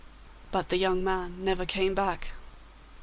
But the young man never came back.